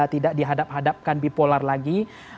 tidak dihadap hadapkan bipolar lagi